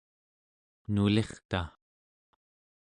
nulirta